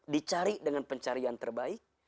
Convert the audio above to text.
dicari dengan pencarian terbaik